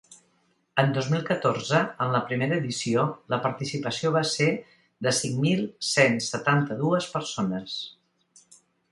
En dos mil catorze, en la primera edició, la participació va ser de cinc mil cent setanta-dues persones.